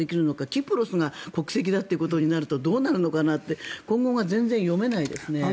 キプロスが国籍だとなるとどうなるのか今後が全然読めないですね。